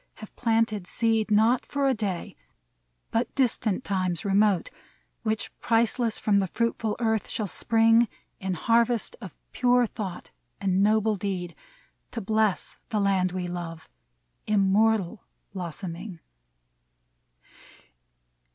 have planted seed — Not for a day, but distant times remote, Which priceless from the fruitful earth shall spring, In harvest of pure thought and noble deed, To bless the Land we love, immortal blossoming.